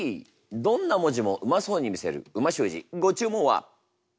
どんな文字もうまそうに見せる美味しゅう字ご注文は？